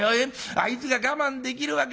あいつが我慢できるわけないよ